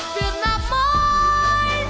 việt nam ơi